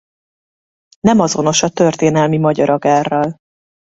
Nem azonos a történelmi magyar agárral.